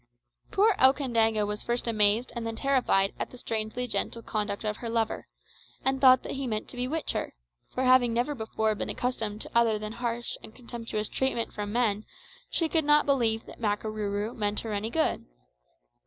Poor Okandaga was first amazed and then terrified at the strangely gentle conduct of her lover, and thought that he meant to bewitch her; for having never before been accustomed to other than harsh and contemptuous treatment from men, she could not believe that Makarooroo meant her any good.